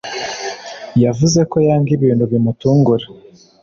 yavuze ko yanga ibintu bimutungura